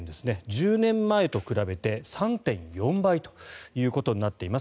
１０年前と比べて３．４倍ということになっています。